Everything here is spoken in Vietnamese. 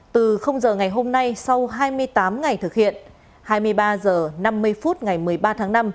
từ giờ ngày hôm nay sau hai mươi tám ngày thực hiện hai mươi ba h năm mươi phút ngày một mươi ba tháng năm